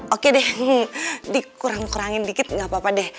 oke deh dikurang kurangin dikit gak apa apa deh